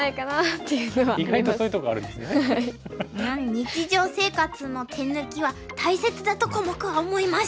日常生活の手抜きは大切だとコモクは思います。